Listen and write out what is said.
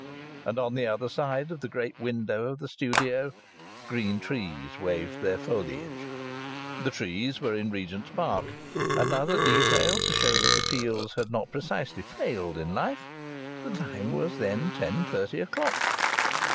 And on the other side of the great window of the studio green trees waved their foliage. The trees were in Regent's Park. Another detail to show that the Peels had not precisely failed in life: the time was then ten thirty o'clock!